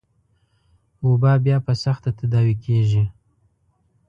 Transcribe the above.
وبا بيا په سخته تداوي کېږي.